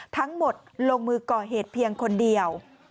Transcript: ทั้งหมดลงมือก่อเหตุเพียงคนเดียว